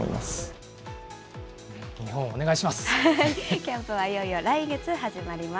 キャンプはいよいよ来月始まります。